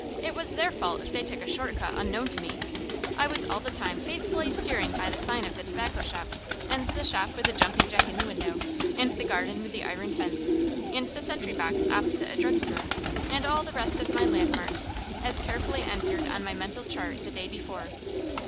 It was their fault if they took a short cut unknown to me. I was all the time faithfully steering by the sign of the tobacco shop, and the shop with the jumping jack in the window, and the garden with the iron fence, and the sentry box opposite a drug store, and all the rest of my landmarks, as carefully entered on my mental chart the day before.